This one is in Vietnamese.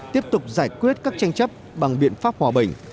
tiếp tục giải quyết các tranh chấp bằng biện pháp hòa bình